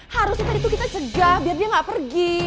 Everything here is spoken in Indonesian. harusnya kan itu kita cega biar dia gak pergi